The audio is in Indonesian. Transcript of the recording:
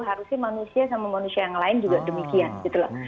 harusnya manusia sama manusia yang lain juga demikian gitu loh